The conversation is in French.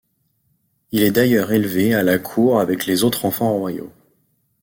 Il est d'ailleurs élevé à la cour avec les autres enfants royaux.